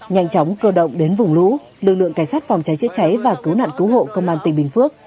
nhanh chóng cơ động đến vùng lũ lực lượng cảnh sát phòng cháy chữa cháy và cứu nạn cứu hộ công an tỉnh bình phước